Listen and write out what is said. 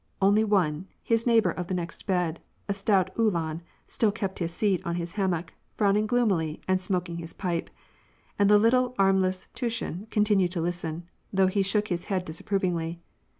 Only one, his neighbor of the next bed, a stout Uhlan, still kept his seat on his hammock, frowning gloomily, and smoking his pipe ; and the little, armless Tushin continued to listen, though he shook his head disapprovingly.